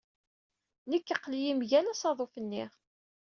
Nekk aql-iyi mgal usaḍuf-nni.